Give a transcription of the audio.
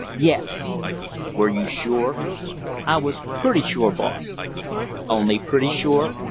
"Yes." "Were you sure?" "I was pretty sure, boss " "Only pretty sure?"